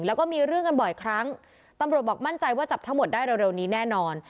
แล้วก็มีเรื่องกันบ่อยครั้งตำรวจบอกมั่นใจว่าจับทั้งหมดได้เร็วนี้แน่นอน